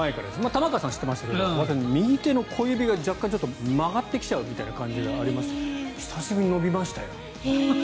玉川さんは知ってましたけど右手の小指が若干曲がってきちゃうみたいな感じがありまして。